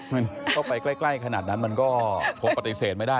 มันเข้าไปใกล้ขนาดนั้นมันก็คงปฏิเสธไม่ได้